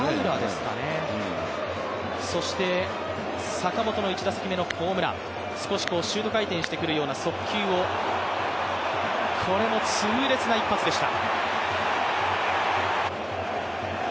坂本の１打席目のホームラン少しシュート回転してくるような速球をこれも痛烈な一発でした。